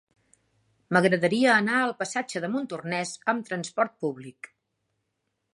M'agradaria anar al passatge de Montornès amb trasport públic.